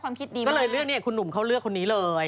คุณนี่คิดดีมากแล้วก็เลยเรื่องนี้คุณหนุ่มเขาเลือกคนนี้เลย